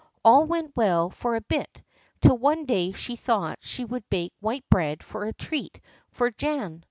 All went well for a bit, till one day she thought she would bake white bread for a treat for Jan.